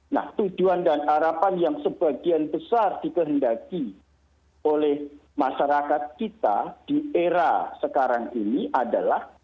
nah tujuan dan harapan yang sebagian besar dikehendaki oleh masyarakat kita di era sekarang ini adalah